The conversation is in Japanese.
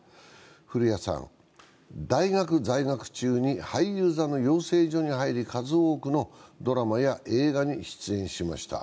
古谷さん、大学在学中に俳優座の養成所に入り数多くのドラマや映画に出演しました。